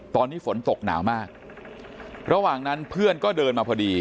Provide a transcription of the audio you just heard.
ตอนนี้ฝนตกหนาวมากระหว่างนั้นเพื่อนก็เดินมาพอดี